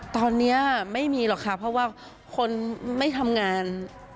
ตอนนี้ไม่มีหรอกค่ะเพราะว่าคนไม่ทำงาน